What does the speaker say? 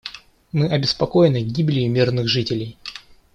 Мы обеспокоены гибелью мирных жителей.